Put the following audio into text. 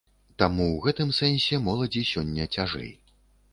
Таму ў гэтым сэнсе моладзі сёння цяжэй.